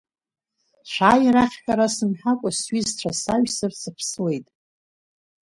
Шәааи арахь ҳәа расымҳәакәа сҩызцәа саҩсыр сыԥсуеит.